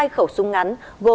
hai khẩu súng ngắn